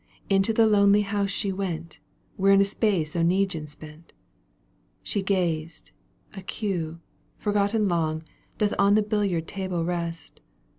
, Into the lonely 'house she went. Wherein a space Oneguine spent. She gazed — a cue, forgotten long, ^ Doth on the billiard table rest.